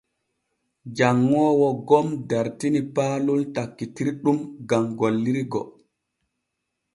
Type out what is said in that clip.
Janŋoowo gom dartini paalon takkirɗum gam gollirgo.